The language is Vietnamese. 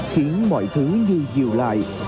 khiến mọi thứ như dìu lại